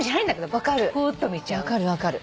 分かる分かる。